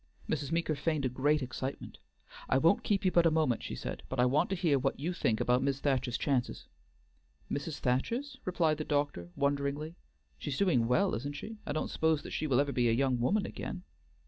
Mrs. Meeker feigned a great excitement. "I won't keep you but a moment," she said, "but I want to hear what you think about Mis' Thacher's chances." "Mrs. Thacher's?" repeated the doctor, wonderingly. "She's doing well, isn't she? I don't suppose that she will ever be a young woman again."